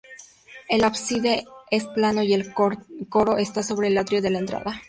El ábside es plano y el coro está sobre el atrio de la entrada.